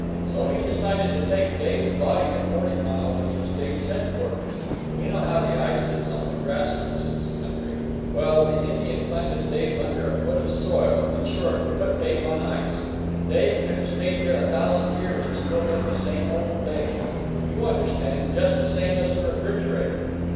So he decided to take Dave's body to Forty Mile, which was Dave's headquarters. You know how the ice is on the grass roots in this country—well, the Indian planted Dave under a foot of soil—in short, he put Dave on ice. Dave could have stayed there a thousand years and still been the same old Dave. You understand—just the same as a refrigerator.